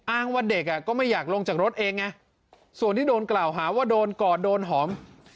ว่าเด็กอ่ะก็ไม่อยากลงจากรถเองไงส่วนที่โดนกล่าวหาว่าโดนกอดโดนหอม